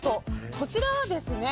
こちらはですね。